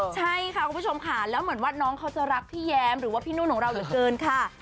ใช่ค่ะคุณผู้ชมค่ะแล้วเหมือนว่าน้องเขาจะรักพี่แย้มหรือว่าพี่นุ่นของเราเหลือเกินค่ะ